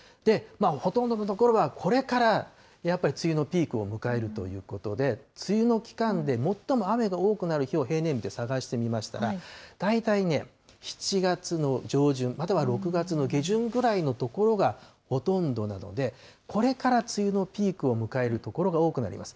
ほとんどの所はこれからやっぱり梅雨のピークを迎えるということで、梅雨の期間で最も雨が多くなる日を平年日で探してみましたら、大体ね、７月の上旬、または６月の下旬ぐらいの所がほとんどなので、これから梅雨のピークを迎える所が多くなります。